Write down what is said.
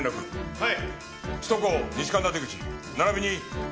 はい！